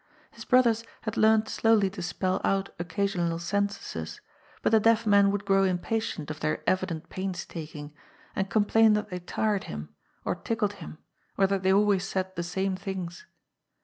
His brothers had learned slowly to spell out occasional sentences, but the deaf man would grow impatient of their evident painstaking, and complain that they tired him, or tickled him, or that they always said the same things.